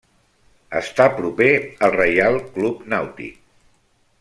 Està proper al Reial Club Nàutic.